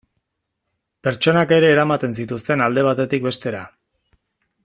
Pertsonak ere eramaten zituzten alde batetik bestera.